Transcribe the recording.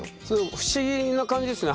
不思議な感じですね。